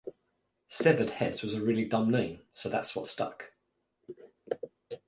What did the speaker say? Severed Heads was a really dumb name, so that's what stuck.